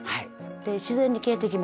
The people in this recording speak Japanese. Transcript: で自然に消えていきますから。